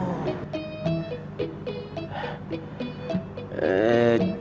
jadi begini bang